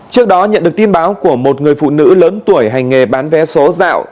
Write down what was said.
trước đó nhận được tin báo của một người phụ nữ lớn tuổi hành nghề bán vé số dạo